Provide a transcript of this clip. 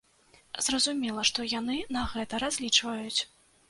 Зразумела, што яны на гэта разлічваюць.